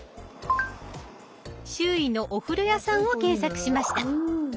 周囲のお風呂屋さんを検索しました。